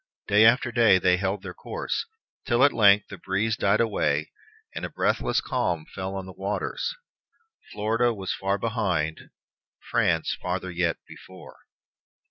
Day after day they held their course, till at length the breeze died away and a breathless calm fell on the waters. Florida was far behind; France farther yet before.